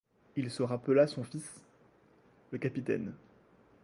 il se rappela son fils, le capitaine.